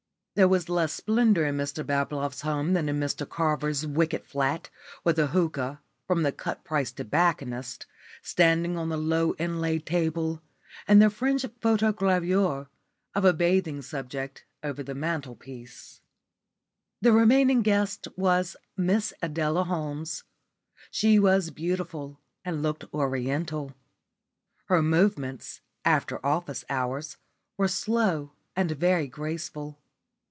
There was less splendour in Mr Bablove's house than in Mr Carver's wicked flat with the hookah (from the cut price tobacconist) standing on the low inlaid table and the French photogravure of a bathing subject over the mantelpiece. The remaining guest was Miss Adela Holmes. She was beautiful and looked Oriental. Her movements (after office hours) were slow and very graceful.